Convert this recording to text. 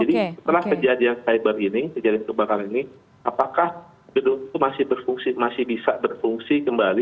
jadi setelah kejadian cyber ini kejadian kebakaran ini apakah gedung itu masih berfungsi masih bisa berfungsi kembali